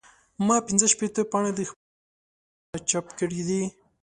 ما پنځه شپېته پاڼې د خپل کار لپاره چاپ کړې دي.